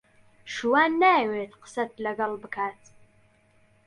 شوان نایەوێت قسەت لەگەڵ بکات.